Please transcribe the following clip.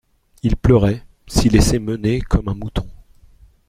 Il pleurait, s'y laissait mener comme un mouton.